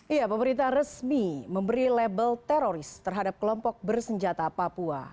iya pemerintah resmi memberi label teroris terhadap kelompok bersenjata papua